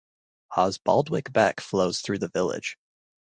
Osbaldwick Beck flows through the village.